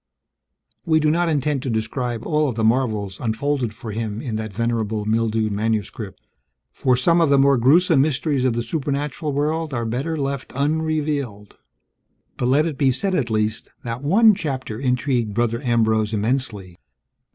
We do not intend to describe all of the marvels unfolded for him in that venerable mildewed manuscript, for some of the more gruesome mysteries of the supernatural world are better left unrevealed; but let it be said at least, that one chapter intrigued Brother Ambrose immensely.